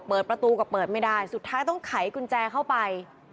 เปิดประตูก็เปิดไม่ได้สุดท้ายต้องไขกุญแจเข้าไป